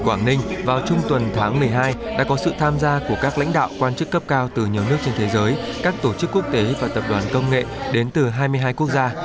quảng ninh vào trung tuần tháng một mươi hai đã có sự tham gia của các lãnh đạo quan chức cấp cao từ nhiều nước trên thế giới các tổ chức quốc tế và tập đoàn công nghệ đến từ hai mươi hai quốc gia